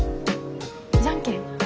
じゃんけん。